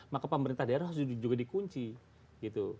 maka pemerintah daerah harus juga dikunci gitu